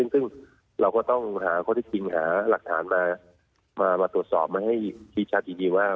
ซึ่งเราก็ต้องหาข้อที่จริงหาหลักฐานมาตรวจสอบมาให้ชี้ชัดอีกทีว่า